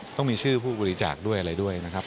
ต้องมีชื่อผู้บริจาคด้วยอะไรด้วยนะครับ